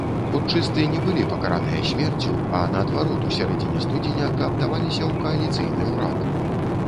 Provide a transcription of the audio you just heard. Путчысты не былі пакараныя смерцю, а, наадварот, у сярэдзіне студзеня кааптаваліся ў кааліцыйны ўрад.